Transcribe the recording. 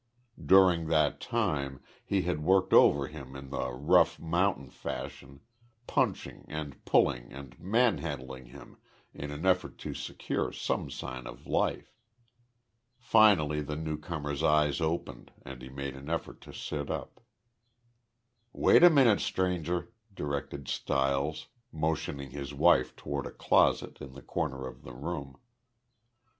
During that time he had worked over him in the rough mountain fashion, punching and pulling and manhandling him in an effort to secure some sign of life. Finally the newcomer's eyes opened and he made an effort to sit up. "Wait a minute, stranger," directed Stiles, motioning his wife toward a closet in the corner of the room.